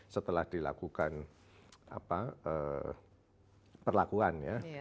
setelah dilakukan perlakuan ya